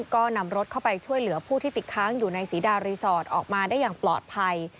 ก็นำรถเข้าไปช่วยเหลือผู้ที่ติดค้างอยู่ในศรีดารีสอร์ทออกมาได้อย่างปลอดภัย